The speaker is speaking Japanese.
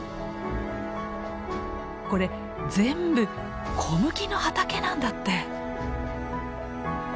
これ全部小麦の畑なんだって！